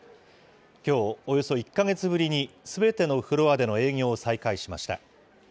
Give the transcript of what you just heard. きょう、およそ１か月ぶりにすべてのフロアでの営業を再開しました。